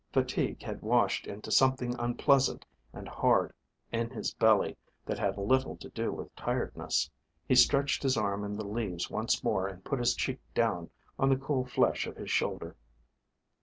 Fatigue had washed into something unpleasant and hard in his belly that had little to do with tiredness. He stretched his arm in the leaves once more and put his cheek down on the cool flesh of his shoulder.